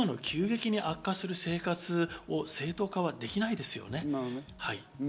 そうしないと今の急激に悪化する生活を正当化はできないですよね。